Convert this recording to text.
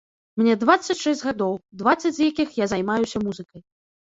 Мне дваццаць шэсць гадоў, дваццаць з якіх я займаюся музыкай.